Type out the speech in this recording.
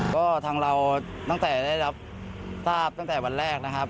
ก็ทางเราตั้งแต่ได้รับทราบตั้งแต่วันแรกนะครับ